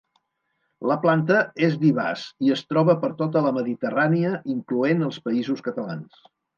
La planta és vivaç i es troba per tota la mediterrània incloent els Països Catalans.